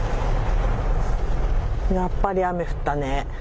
やっぱり雨降ったね。